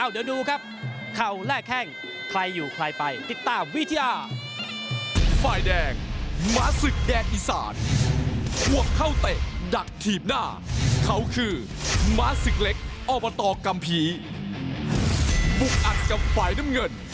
เดี๋ยวดูครับเขาและแข้งใครอยู่ใครไปติดตามวิทยา